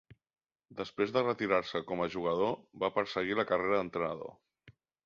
Després de retirar-se com a jugador, va perseguir la carrera d'entrenador.